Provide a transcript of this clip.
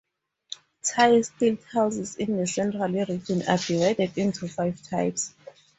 Thai stilt houses in the central region are divided into five types.